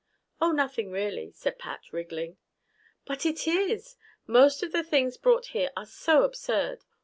"Oh, nothing, really," said Pat, wriggling. "But it is! Most of the things brought here are so absurd.